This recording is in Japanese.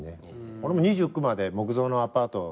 俺も２９まで木造のアパート。